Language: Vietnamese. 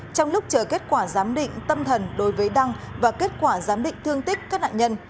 trong lúc chờ kết quả giám định tâm thần đối với đăng và kết quả giám định thương tích các nạn nhân